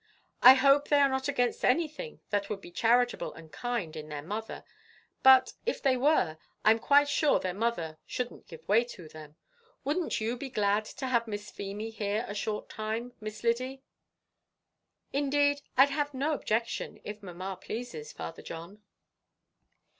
"I hope they are not against anything that would be charitable and kind in their mother; but if they were, I'm quite sure their mother shouldn't give way to them. Wouldn't you be glad to have Miss Feemy here a short time, Miss Lyddy?" "Indeed, I'd have no objection, if mamma pleases, Father John."